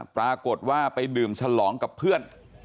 ปรากฏว่าไปดื่มฉลองกับเพื่อน